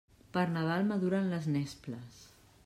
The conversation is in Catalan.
Per Nadal maduren les nesples.